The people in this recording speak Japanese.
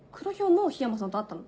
もう緋山さんと会ったの？